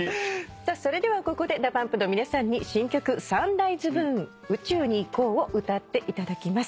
それではここでＤＡＰＵＭＰの皆さんに新曲『サンライズ・ムーン宇宙に行こう』を歌っていただきます。